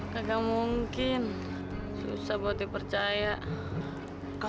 kagak mungkin susah buat dipercaya